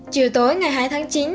chiều tối ngày hai tháng chín